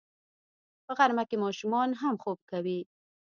په غرمه کې ماشومان هم خوب کوي